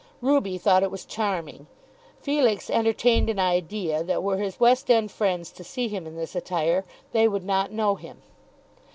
Ruby thought it was charming. Felix entertained an idea that were his West End friends to see him in this attire they would not know him.